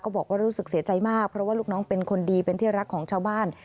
บอกว่ารู้สึกเสียใจมากเพราะว่าลูกน้องเป็นคนดีเป็นที่รักของชาวบ้าน